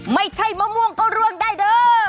ไม่ใช่มะม่วงก็ร่วงได้เด้อ